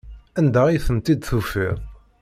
Anda ay ten-id-tufiḍ?